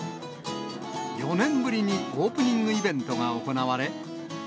４年ぶりにオープニングイベントが行われ。